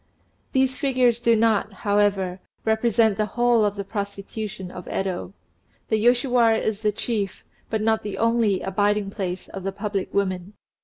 These figures do not, however, represent the whole of the prostitution of Yedo; the Yoshiwara is the chief, but not the only, abiding place of the public women.